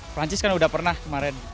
perancis kan udah pernah kemarin